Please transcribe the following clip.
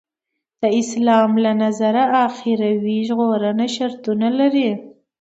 د اسلام له نظره اخروي ژغورنه شرطونه لري.